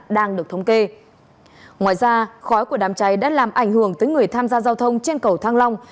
đang được thống kê ngoài ra khói của đám cháy đã làm ảnh hưởng tới người tham gia giao thông trên cầu thang long